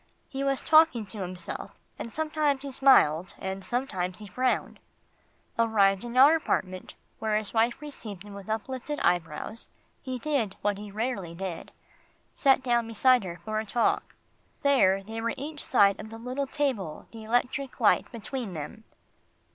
He was talking to himself, and sometimes he smiled, and sometimes he frowned. Arrived in our apartment, where his wife received him with uplifted eyebrows, he did what he rarely did sat down beside her for a talk. There they were each side of the little table, the electric light between them.